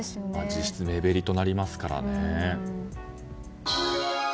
実質目減りとなりますからね。